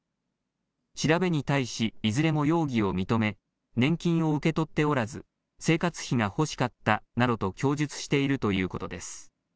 調べに対しいずれも容疑を認め年金を受け取っておらず生活費が欲しかったなどと供述しているということです。